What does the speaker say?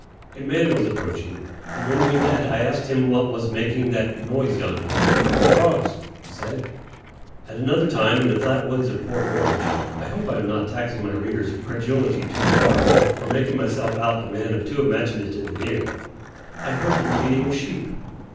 A man was approaching, and when we met I asked him what was making that noise yonder. "Frogs," he said. At another time, in the flat woods of Port Orange (I hope I am not taxing my reader's credulity too far, or making myself out a man of too imaginative an ear), I heard the bleating of sheep.